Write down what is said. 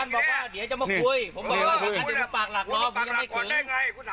เดี๋ยวจะมาคุย